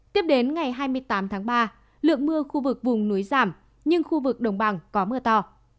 tiếp đến ngày hai mươi tám tháng ba lượng mưa khu vực vùng núi giảm nhưng khu vực đồng bằng có mưa to